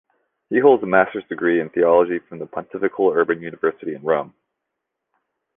He holds a master's degree in theology from the Pontifical Urban University in Rome.